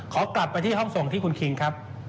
ขอกลับไปที่ห้องส่งที่คุณคิงครับ